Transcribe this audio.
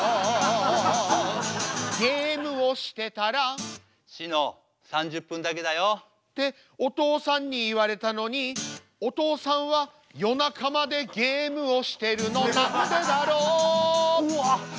ゲームをしてたらしの３０分だけだよ。ってお父さんに言われたのにお父さんは夜中までゲームをしてるのなんでだろううわ！